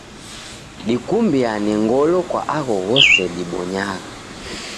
Dikumbiane ngolo kwa agho ghose dibpnyagha.